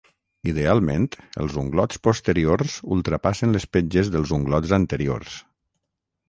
Idealment, els unglots posteriors ultrapassen les petges dels unglots anteriors.